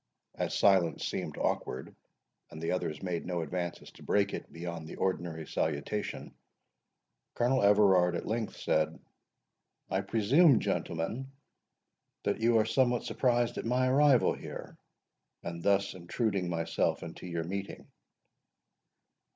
As silence seemed awkward, and the others made no advances to break it, beyond the ordinary salutation, Colonel Everard at length said, "I presume, gentlemen, that you are somewhat surprised at my arrival here, and thus intruding myself into your meeting?"